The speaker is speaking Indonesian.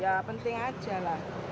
ya penting aja lah